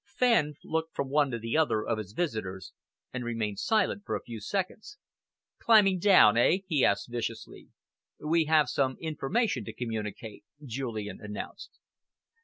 Fenn looked from one to the other of his visitors and remained silent for a few seconds. "Climbing down, eh?" he asked viciously. "We have some information to communicate," Julian announced.